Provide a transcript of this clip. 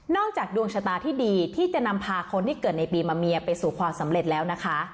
จากดวงชะตาที่ดีที่จะนำพาคนที่เกิดในปีมะเมียไปสู่ความสำเร็จแล้วนะคะ